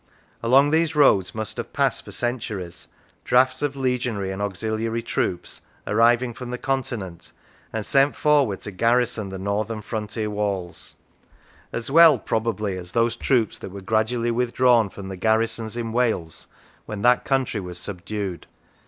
Along these roads must have passed for centuries drafts of legionary and auxiliary troops arriving from the Continent and sent forward to garrison the northern frontier walls; as well, probably, 5 How It Came into Being as those troops that were gradually withdrawn from the garrisons in Wales when that country was subdued.